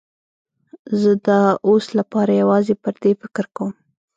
زه د اوس لپاره یوازې پر دې فکر کوم.